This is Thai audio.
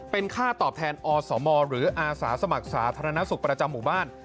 เป็นค่าตอบแทนอสมหรืออาสาสมัครสาธารณสุขประจำหมู่บ้าน